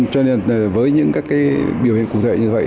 cho nên với những các biểu hiện cụ thể như vậy